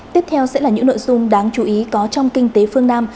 tiếp theo sẽ là những nội dung đáng chú ý có trong kinh tế phương nam